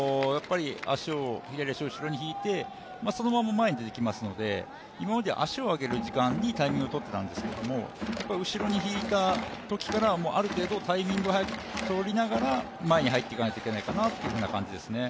後ろ足を左に引いてそのまま前に出てきますので今まで足を上げる時間にタイミングをとっていたんですけど、後ろに引いたときからある程度タイミングを取りながら前に入っていかないといけないかなという感じですね。